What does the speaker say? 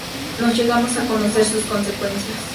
No llegamos a conocer sus consecuencias.